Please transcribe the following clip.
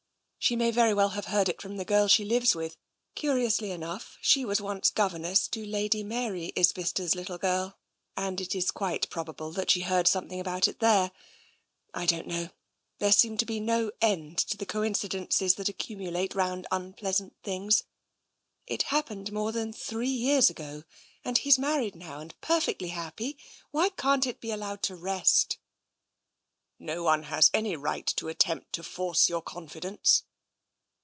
" She may very well have heard it from the girl she lives with. Curiously enough, she was once gov erness to Lady Mary Isbister's little girl, and it is quite probable that she heard something about it there. I don't know. There seem to be no end to the coinci dences that accumulate round unpleasant things. It happened more than three years ago, and he's married now, and perfectly happy — why can't it be allowed to rest?" " No one has any right to attempt to force your confidence."